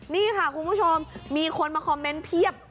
นี่ค่ะคุณผู้ชมมีคนมาคอมเมนต์เพียบ